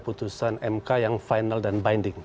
putusan mk yang final dan binding